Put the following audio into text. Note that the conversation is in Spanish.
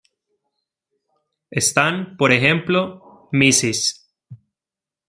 Están, por ejemplo, Mrs.